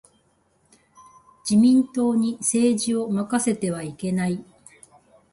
自民党に政治を任せてはいけない。